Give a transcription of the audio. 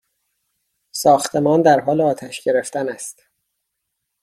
ساختمان در حال آتش گرفتن است!